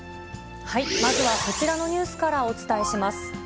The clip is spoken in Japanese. まずはこちらのニュースからお伝えします。